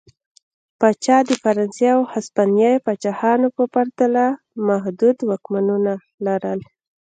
پاچا د فرانسې او هسپانیې پاچاهانو په پرتله محدود واکونه لرل.